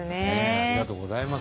ありがとうございます。